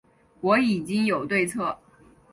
我已经有对策